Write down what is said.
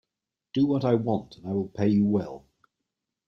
Do what I want, and I will pay you well.